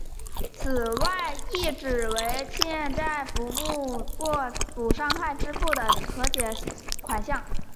此外亦指为结清债务或弥补伤害所支付的和解款项。